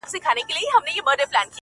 • نوي هم ښه دي خو زه وامقاسم یاره..